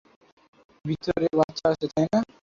ভিতরে বাচ্চারা আছে, তাই না?